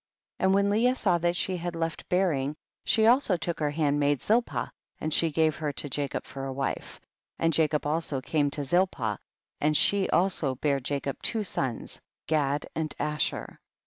17. And when Leah saw that she had left bearing, she also took her handmaid Zilpah, and she gave her to Jacob for a wife, and Jacob also came to Zilpah, and she also bare Jacob two sons. Gad and Asher.